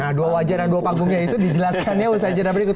nah dua wajah dan dua panggungnya itu dijelaskannya usai jeda berikut